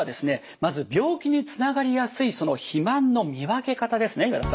まず病気につながりやすい肥満の見分け方ですね岩田さん。